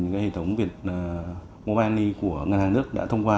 cái hệ thống vietmobany của ngân hàng nước đã thông qua